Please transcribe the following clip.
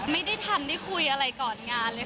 ไม่ได้ทันได้คุยอะไรก่อนงานเลย